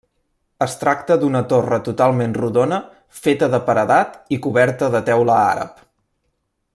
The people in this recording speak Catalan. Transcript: Es tracta d'una torre totalment rodona feta de paredat i coberta de teula àrab.